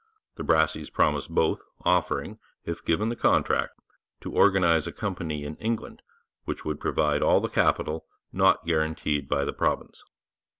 The Brasseys promised both, offering, if given the contract, to organize a company in England which would provide all the capital not guaranteed by the province.